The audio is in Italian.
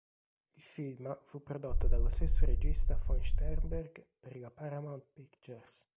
Il film fu prodotto dallo stesso regista von Sternberg per la Paramount Pictures.